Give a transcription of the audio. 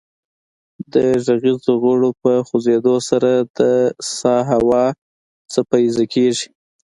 د غږیزو غړو په خوځیدو سره د سا هوا څپیزه کیږي